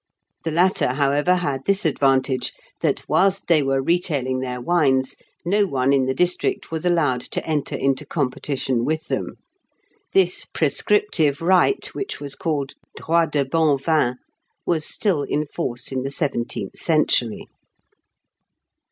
The latter, however, had this advantage, that, whilst they were retailing their wines, no one in the district was allowed to enter into competition with them. This prescriptive right, which was called droit de ban vin, was still in force in the seventeenth century.